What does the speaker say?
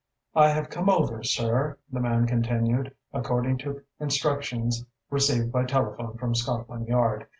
"I have come over, sir," the man continued, "according to instructions received by telephone from Scotland Yard.